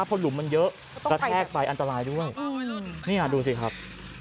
พอหลุมมันเยอะกระแทกไปอันตรายด้วยนี่ดูสิครับ